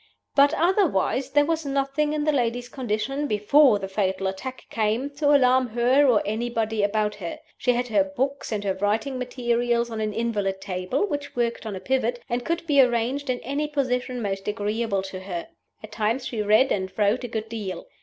But otherwise there was nothing in the lady's condition, before the fatal attack came, to alarm her or anybody about her. She had her books and her writing materials on an invalid table, which worked on a pivot, and could be arranged in any position most agreeable to her. At times she read and wrote a good deal.